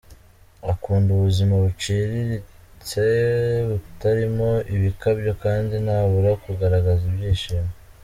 Akunda ubuzima buciritse butarimo ibikabyo kandi ntabura kugaragaza ibyishimo.